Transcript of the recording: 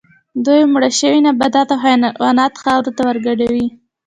دوی مړه شوي نباتات او حیوانات خاورې ته ورګډوي